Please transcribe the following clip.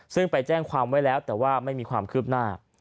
ซึ่งไปแจ้งความไว้แล้วแต่ว่าไม่มีความคืบหน้า